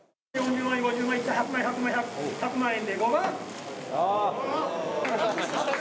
１００万円で５番！